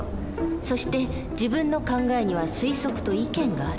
そして自分の考えには推測と意見がある。